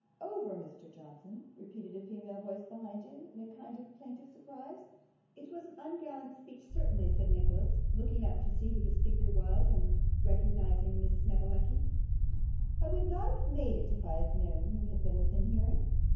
'Over, Mr. Johnson!' repeated a female voice behind him, in a kind of plaintive surprise. 'It was an ungallant speech, certainly,' said Nicholas, looking up to see who the speaker was, and recognising Miss Snevellicci. 'I would not have made it if I had known you had been within hearing.